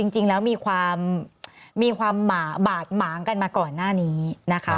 จริงแล้วมีความบาดหมางกันมาก่อนหน้านี้นะคะ